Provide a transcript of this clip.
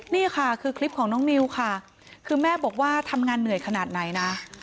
นี่ค่ะคือคลิปของน้องนิวค่ะคือแม่บอกว่าทำงานเหนื่อยขนาดไหนนะ